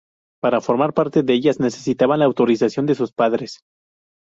Para formar parte de ellas necesitaban la autorización de sus padres.